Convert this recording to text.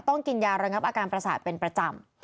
ต้องกินยาระงับอาการประสาทเป็นประจำ